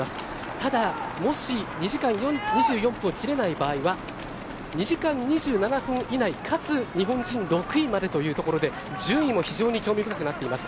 ただ、もし２時間２４分を切れない場合は２時間２７分以内かつ日本人６位までというところで順位も非常に興味深くなっています。